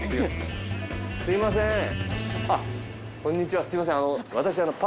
すいません。